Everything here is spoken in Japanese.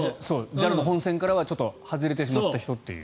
ＪＡＬの本線からは外れてしまった人という。